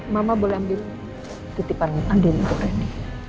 mama boleh ambil titipan adil untuk randy